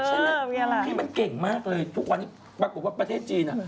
เออมีอะไรเขามีลักษณะเก่งมากเลยทุกวันนี้ปรากฏว่าประเทศจีน